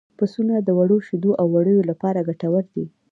پسونه د وړو شیدو او وړیو لپاره ګټور دي.